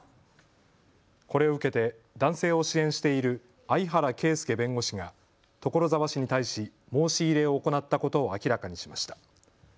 これを受けて男性を支援している相原啓介弁護士が、所沢市に対し申し入れを行ったことを明らかにしました。